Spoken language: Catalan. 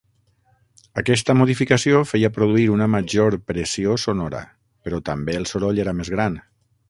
Aquesta modificació feia produir una major pressió sonora, però també el soroll era més gran.